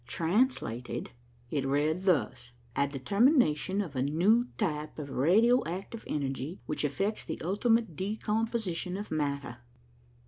Translated, it read thus: 'A determination of a new type of radio active energy which effects the ultimate decomposition of matter.